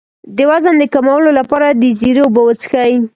د وزن د کمولو لپاره د زیرې اوبه وڅښئ